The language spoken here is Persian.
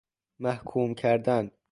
محکوم کردن